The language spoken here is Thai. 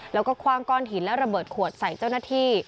แล้วก็คว่างก้อนหินและระเบิดขวดใส่เจ้าหน้าที่